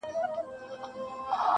یار به ملا تړلی حوصلې د دل دل واغوندم,